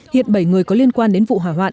hiện bảy người có liên quan đến vụ hỏa hoạn